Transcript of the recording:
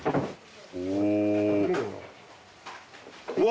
うわ！